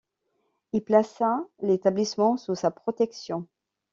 Il plaça l'établissement sous sa protection.